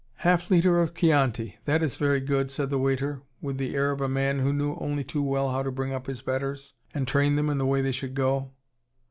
"Half litre of Chianti: that is very good," said the waiter, with the air of a man who knew only too well how to bring up his betters, and train them in the way they should go.